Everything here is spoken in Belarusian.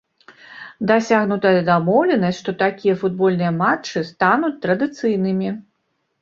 Дасягнутая дамоўленасць, што такія футбольныя матчы стануць традыцыйнымі.